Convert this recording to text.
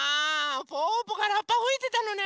ぽぅぽがラッパふいてたのね。